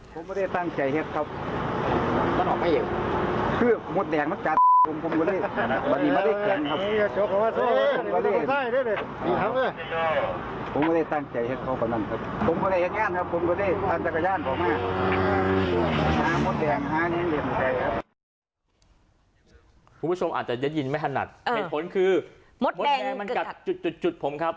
คุณผู้ชมอาจจะได้ยินไม่ถนัดเหตุผลคือมดแดงมันกัดจุดผมครับ